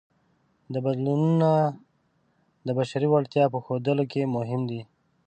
دا بدلونونه د بشري وړتیا په ښودلو کې مهم دي.